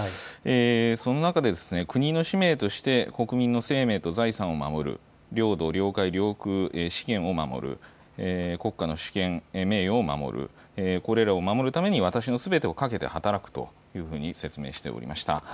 その中で国の使命として国民の生命と財産を守る領土、領海、領空、資源を守る、国家の主権、名誉を守る、これらを守るために私のすべてをかけて働くというふうに説明していました。